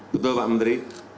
betul pak menteri